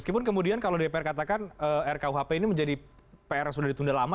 meskipun kemudian kalau dpr katakan rkuhp ini menjadi pr yang sudah ditunda lama